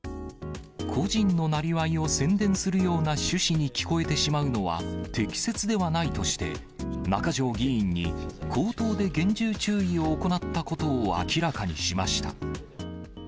個人のなりわいを宣伝するような趣旨に聞こえてしまうのは適切ではないとして、中条議員に口頭で厳重注意を行ったことを明らかにしました。